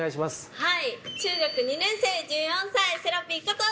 はい。